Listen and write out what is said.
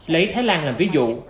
lấy thái lan làm ví dụ